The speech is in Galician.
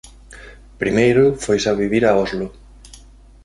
Primeiro foise a vivir a Oslo.